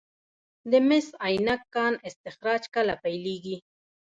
د مس عینک کان استخراج کله پیلیږي؟